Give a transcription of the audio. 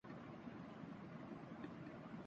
ان میں سے ایک مذہب ہے۔